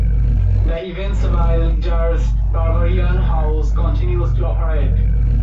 The Evansville Gerst Bavarian Haus continues to operate.